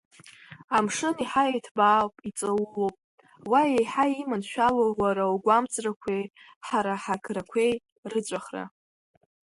Амшын еиҳа иҭбаауп, иҵаулоуп, уа еиҳа иаманшәалоуп уара угәамҵрақәеи ҳара ҳаграқәеи рыҵәахра.